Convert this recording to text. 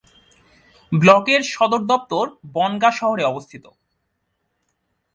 ব্লকের সদর দপ্তর বনগাঁ শহরে অবস্থিত।